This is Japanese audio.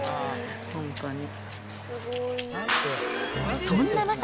本当に。